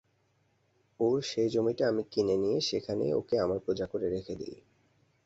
ওর সেই জমিটা আমি কিনে নিয়ে সেইখানেই ওকে আমার প্রজা করে রেখে দিই।